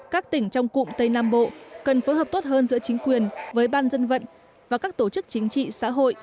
các tỉnh trong cụm tây nam bộ cần phối hợp tốt hơn giữa chính quyền với ban dân vận và các tổ chức chính trị xã hội